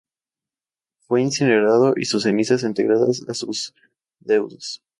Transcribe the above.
Fue incinerado, y sus cenizas entregadas a sus deudos.